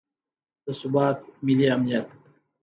د ثبات، ملي امنیت